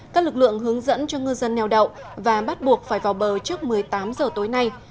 các lực lượng hướng dẫn cho ngư dân neo đậu và bắt buộc phải vào bờ trước một mươi tám giờ tối nay